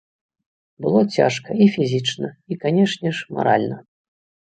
Было цяжка і фізічна і, канечне ж, маральна.